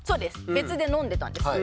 別で飲んでたんです。